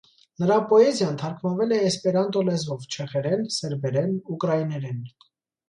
Նրա պոեզիան թարգմանվել է էսպերանտո լեզվով, չեխերեն, սերբերեն, ուկրաիներեն։